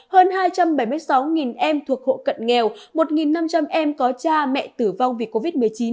hơn hai trăm bảy mươi sáu em thuộc hộ cận nghèo một năm trăm linh em có cha mẹ tử vong vì covid một mươi chín